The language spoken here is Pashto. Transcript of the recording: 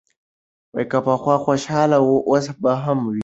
که پخوا خوشاله و، اوس به هم وي.